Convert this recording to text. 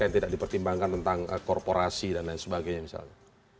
yang tidak dipertimbangkan tentang korporasi dan lain sebagainya misalnya